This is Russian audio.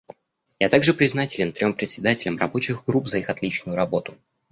Я также признателен трем председателям рабочих групп за их отличную работу.